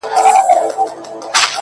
زه د یویشتم قرن ښکلا ته مخامخ یم